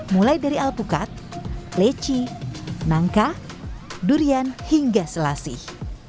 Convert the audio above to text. mulai dari alpukat leci nangka durian hingga selasih